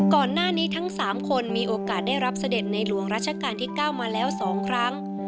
ก่อนหน้านี้ทั้ง๓คนมีโอกาสได้รับเสด็จในหลวงรัชกาลที่๙มาแล้ว๒ครั้ง